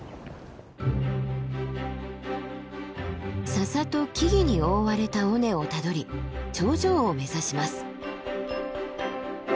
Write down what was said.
笹と木々に覆われた尾根をたどり頂上を目指します。